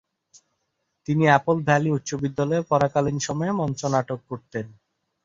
তিনি Apple Valley উচ্চ বিদ্যালয়ে পড়াকালীন সময়ে মঞ্চনাটক করতেন।